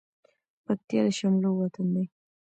پکتيا د شملو وطن ده